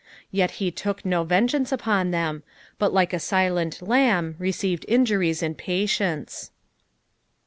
Yet he took do vengeance upoa them, but like a silent lamb received injuries in patience.